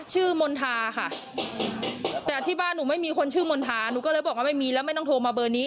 มณฑาค่ะแต่ที่บ้านหนูไม่มีคนชื่อมณฑาหนูก็เลยบอกว่าไม่มีแล้วไม่ต้องโทรมาเบอร์นี้